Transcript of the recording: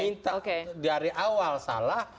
minta dari awal salah